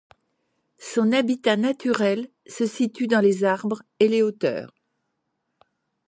Son habitat naturel se situe dans les arbres et les hauteurs.